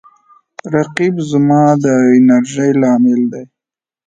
رقیب زما د انرژۍ لامل دی